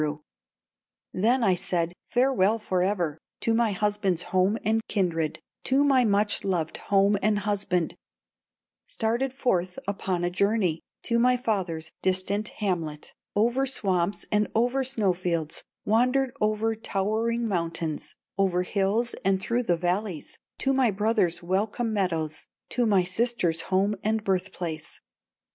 "Then I said, 'Farewell forever!' To my husband's home and kindred, To my much loved home and husband; Started forth upon a journey To my father's distant hamlet, Over swamps and over snow fields, Wandered over towering mountains, Over hills and through the valleys, To my brother's welcome meadows, To my sister's home and birthplace.